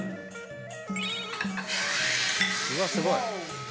うわすごい！